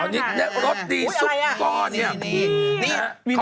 อ๋อนี่รสดีซุปก้อน